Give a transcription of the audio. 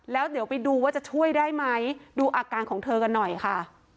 แล้วเดี๋ยวไปดูว่าจะช่วยได้ไหมดูอาการของเธอกันหน่อยค่ะ